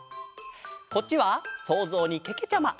こっちはそうぞうにけけちゃま。